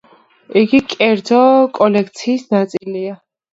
იგი კერძო კოლექციის ნაწილია.